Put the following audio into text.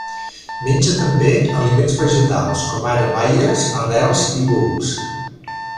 Menja també aliments vegetals, com ara baies, arrels i bulbs.